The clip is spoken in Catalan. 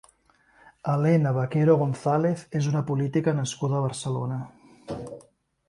Elena Baquero González és una política nascuda a Barcelona.